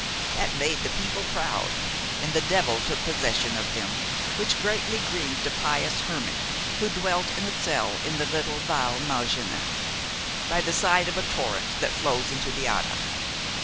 That made the people proud, and the devil took possession of them, which greatly grieved a pious hermit who dwelt in a cell in the little Val Malgina, by the side of a torrent that flows into the Adda.